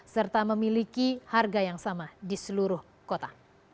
serta memiliki harga yang sama di seluruh kota